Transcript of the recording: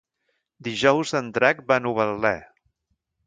Dijous en Drac va a Novetlè.